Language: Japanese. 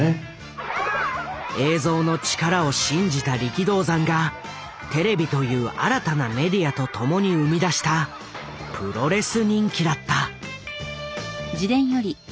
映像の力を信じた力道山がテレビという新たなメディアと共に生み出したプロレス人気だった。